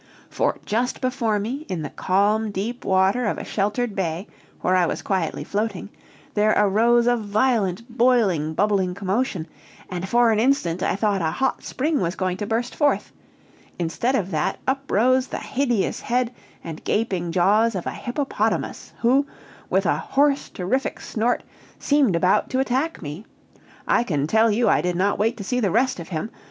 For just before me, in the calm deep water of a sheltered bay where I was quietly floating, there arose a violent boiling, bubbling commotion, and for an instant I thought a hot spring was going to burst forth instead of that, uprose the hideous head and gaping jaws of a hippopotamus, who, with a hoarse, terrific snort, seemed about to attack me. I can tell you I did not wait to see the rest of him!